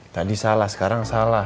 tadi salah sekarang salah